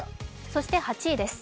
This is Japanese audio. そして８位です。